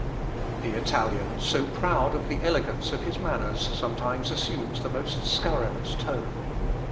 The Italian, so proud of the elegance of his manners, sometimes assumes the most scurrilous tone.